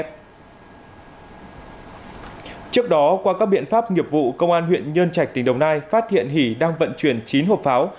trước đó qua các biện pháp nghiệp vụ công an huyện nhân trạch tỉnh đồng nai phát hiện hỉ đang vận chuyển chín hộp pháo